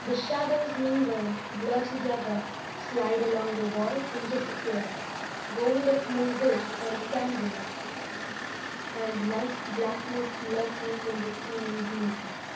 The shadows mingle, Blur together, Slide along the wall and disappear. Gold of mosaics and candles, And night blackness lurking in the ceiling beams.